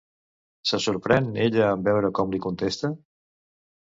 Se sorprèn ella en veure que com li contesta?